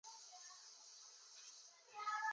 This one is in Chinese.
近代则由古巴及其他南美洲国家所发展起来。